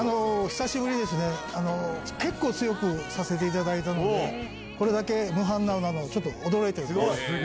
久しぶりですね結構強くさせていただいたのでこれだけ無反応なのちょっと驚いております。